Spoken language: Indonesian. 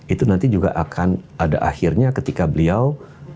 itu nanti juga akan ada akhirnya ketika beliau